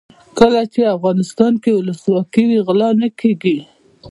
کله چې افغانستان کې ولسواکي وي غلا نه کیږي.